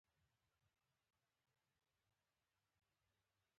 چا سپڼ قدرې هم وانه اخیست.